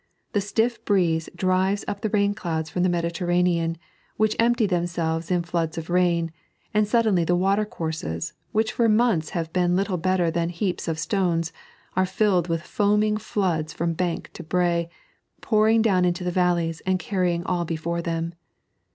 The stiff breese drives up the rain clouds from the Mediterranean, which empty themselves in floods of rain, and suddenly the water courses, which for months had been little better than heaps of stones, are filled with foaming floods from bank to brae, pouring down into the valleys and carrying all before them.